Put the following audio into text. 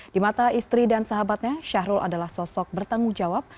di mata istri dan sahabatnya syahrul adalah sosok bertanggung jawab